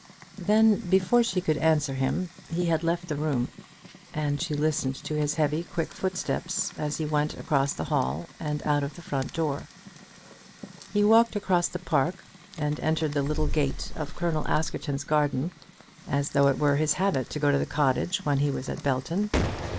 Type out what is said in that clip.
Then, before she could answer him, he had left the room; and she listened to his heavy quick footsteps as he went across the hall and out of the front door. He walked across the park and entered the little gate of Colonel Askerton's garden, as though it were his habit to go to the cottage when he was at Belton.